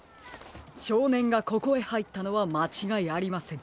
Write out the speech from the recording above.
しょうねんがここへはいったのはまちがいありません。